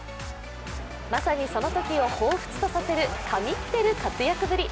まさに、そのときをほうふつとさせる神ってる活躍ぶり。